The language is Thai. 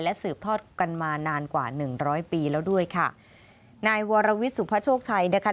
สืบทอดกันมานานกว่าหนึ่งร้อยปีแล้วด้วยค่ะนายวรวิทย์สุภาโชคชัยนะคะ